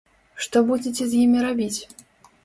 Што будзеце з імі рабіць?